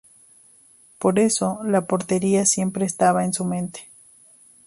Por eso la portería siempre estaba en su mente.